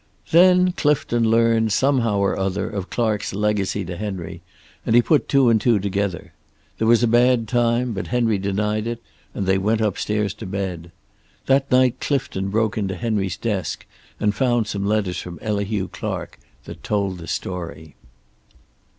"Then Clifton learned, somehow or other, of Clark's legacy to Henry, and he put two and two together. There was a bad time, but Henry denied it and they went upstairs to bed. That night Clifton broke into Henry's desk and found some letters from Elihu Clark that told the story.